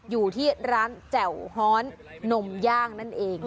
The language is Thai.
อยู่ที่ร้านแจ่วฮ้อนนมย่างนั่นเอง